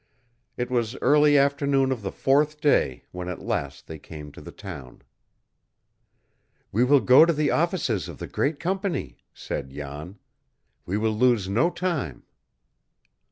It was early afternoon of the fourth day when at last they came to the town. "We will go to the offices of the great company," said Jan. "We will lose no time."